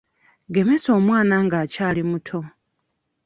Gemesa omwana ng'akyali muto.